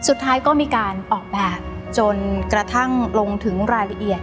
สุดท้ายก็มีการออกแบบจนกระทั่งลงถึงรายละเอียด